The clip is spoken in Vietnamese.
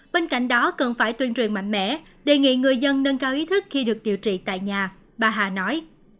bên cạnh đó cần phải tuyên truyền mạnh mẽ đề nghị người dân nâng cao ý thức khi được điều trị tại nhà bà hà nói